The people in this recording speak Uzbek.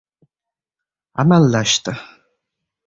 Amallashdi.